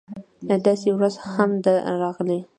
داسې ورځ هم ده راغلې